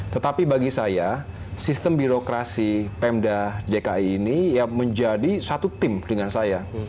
tetapi bagi saya sistem birokrasi pemda dki ini menjadi satu tim dengan saya